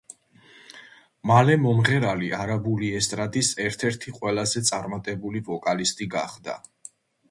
მალე მომღერალი არაბული ესტრადის ერთ-ერთი ყველაზე წარმატებული ვოკალისტი გახდა.